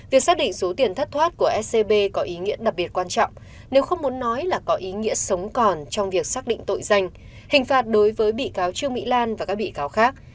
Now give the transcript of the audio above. việc xác định số tiền thất thoát của scb có ý nghĩa đặc biệt quan trọng nếu không muốn nói là có ý nghĩa sống còn trong việc xác định tội danh hình phạt đối với bị cáo trương mỹ lan và các bị cáo khác